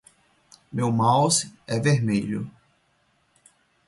Meu mouse é vermelho